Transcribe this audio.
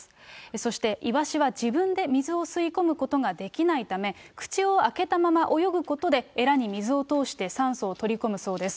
そしてイワシは自分で水を吸い込むことができないため、口を開けたまま泳ぐことで、エラに水を通して酸素を取り込むそうです。